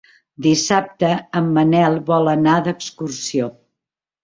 Dissabte en Manel vol anar d'excursió.